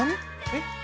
えっ？